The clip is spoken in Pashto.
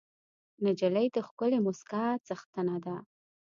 نجلۍ د ښکلې موسکا څښتنه ده.